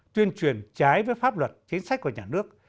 tuyên truyền trái với pháp luật chính sách của nhà nước